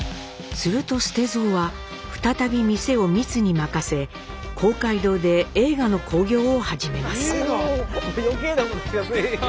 すると捨蔵は再び店をみつに任せ公会堂で映画の興行を始めます。